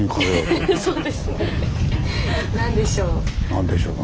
何でしょう？